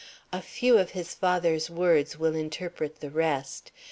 A few of his father's words will interpret the rest.